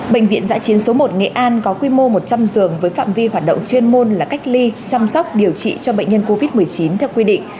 bệnh viện giã chiến số một nghệ an có quy mô một trăm linh giường với phạm vi hoạt động chuyên môn là cách ly chăm sóc điều trị cho bệnh nhân covid một mươi chín theo quy định